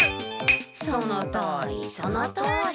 そのとおりそのとおり。